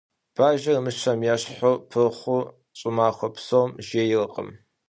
Бажэр мыщэм ещхьу пырхъыу щӏымахуэ псом жейркъым.